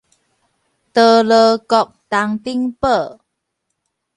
哆囉嘓東頂堡